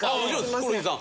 ヒコロヒーさん。